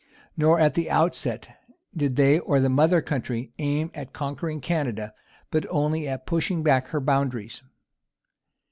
Nor at the outset did they, or the mother country, aim at conquering Canada, but only at pushing back her boundaries.